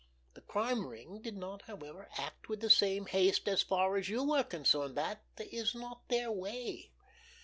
The Crime Ring did not, however, act with the same haste as far as you were concerned. That is not their way!